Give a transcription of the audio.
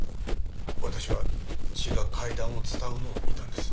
私は血が階段を伝うのを見たんです。